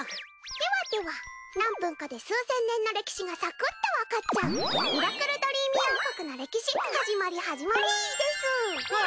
ではでは何分かで数千年の歴史がサクッとわかっちゃう『ミラクルドリーミー王国の歴史』始まり始まりです！